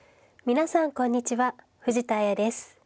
皆さんこんにちは藤田綾です。